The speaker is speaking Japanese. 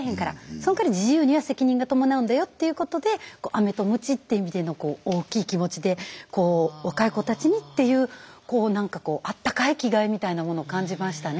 そのかわり自由には責任が伴うんだよっていうことでアメとムチっていう意味でのこう大きい気持ちでこう若い子たちにっていうこう何かこうあったかい気概みたいなものを感じましたね